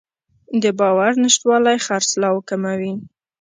د باور نشتوالی خرڅلاو کموي.